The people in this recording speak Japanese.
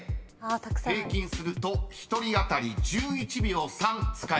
［平均すると１人当たり１１秒３使える計算です］